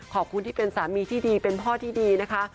ขอบคุณที่เป็นสามีที่ดีเป็นพ่อที่ดีนะคะ